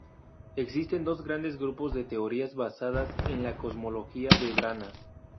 Existen dos grandes grupos de teorías basados en la cosmología de branas.